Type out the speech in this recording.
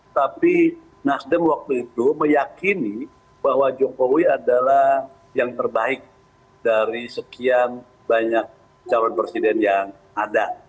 tapi nasdem waktu itu meyakini bahwa jokowi adalah yang terbaik dari sekian banyak calon presiden yang ada